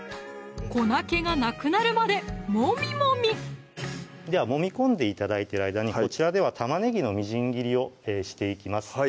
粉気がなくなるまで揉み揉みではもみ込んで頂いてる間にこちらでは玉ねぎのみじん切りをしていきます